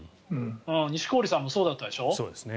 錦織さんもそうだったでしょう。